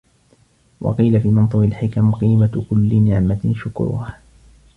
وَقِيلَ فِي مَنْثُورِ الْحِكَمِ قِيمَةُ كُلِّ نِعْمَةٍ شُكْرُهَا